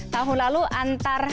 tahun lalu antar